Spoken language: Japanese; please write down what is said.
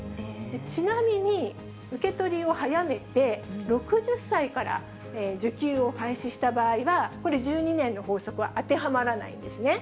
ちなみに、受け取りを早めて、６０歳から受給を開始した場合は、これ、１２年の法則は当てはまらないんですね。